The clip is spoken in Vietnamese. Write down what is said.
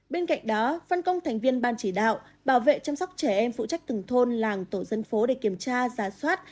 bên cạnh đó phân công thành viên ban chỉ đạo bảo vệ chăm sóc trẻ em phụ trách từng thôn làng tổ dân phố để kiểm tra giá soát